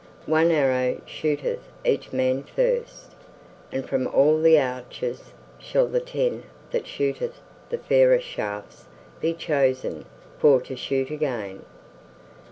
One arrow shooteth each man first, and from all the archers shall the ten that shooteth the fairest shafts be chosen for to shoot again.